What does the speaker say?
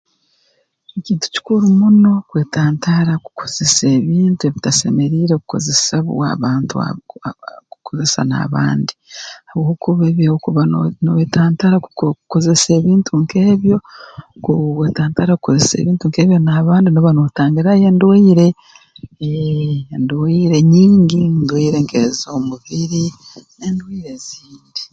Kintu kikuru muno kwetantara kukozesa ebintu ebitasemeriire kukozesebwa abantu aba aa kukozesa n'abandi habwokuba ebi okuba nooye nooyetantara ku kukozesa ebintu nk'ebyo kuwetantara kukozesa ebintu nk'ebyo n'abandi nooba nootangirayo endwaire eeee endwaire nyingi endwaire nk'ez'omubiri n'endwaire ezindi